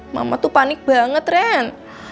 mama tuh panik banget ren